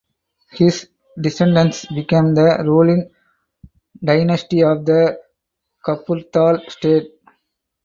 His descendants became the ruling dynasty of the Kapurthala State.